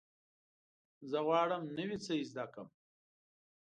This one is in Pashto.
زه غواړم نوی څه زده کړم.